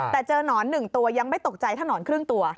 แต่เจอหนอน๑ตัวยังไม่ตกใจถ้านอนครึ่งตัว